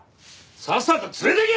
さっさと連れてけ！